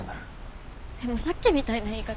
でもさっきみたいな言い方。